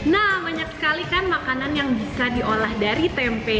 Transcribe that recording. nah banyak sekali kan makanan yang bisa diolah dari tempe